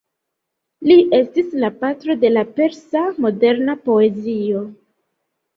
Li estis "la patro de la persa moderna poezio".